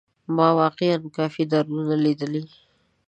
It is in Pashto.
ما واقيعا کافي دردونه ليدلي.